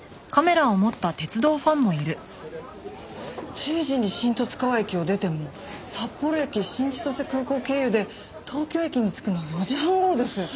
１０時に新十津川駅を出ても札幌駅新千歳空港経由で東京駅に着くのは４時半頃です。